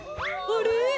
あれ？